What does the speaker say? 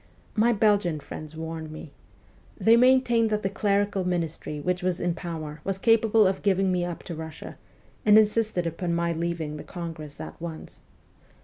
My Belgian friends warned me. They maintained that the clerical ministry which was in power was capable of giving me up to Russia, and insisted upon my leaving the congress at once.